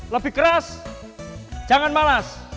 lebih keras jangan malas